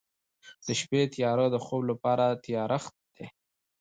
د شپې تیاره د خوب لپاره تیارښت دی.